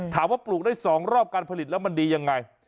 ปลูกได้๒รอบการผลิตแล้วมันดียังไง